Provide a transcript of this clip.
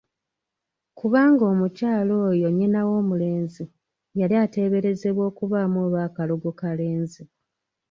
Kubanga omukyala oyo nnyina w'omulenzi yali ateeberezebwa okubaamu olwakalogo kalenzi!